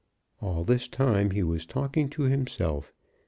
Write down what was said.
All this time he was talking to himself.